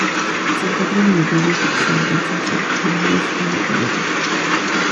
Se encuentra en el Atlántico occidental central: Honduras y Nicaragua.